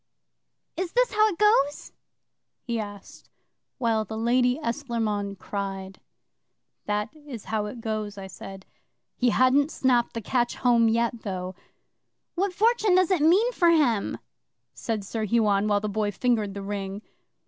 '"Is this how it goes?" he asked, while the Lady Esclairmonde cried. '"That is how it goes," I said. He hadn't snapped the catch home yet, though. '"What fortune does it mean for him?" said Sir Huon, while the Boy fingered the ring.